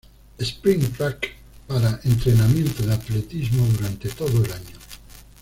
Sprint track para entrenamiento de atletismo durante todo el año.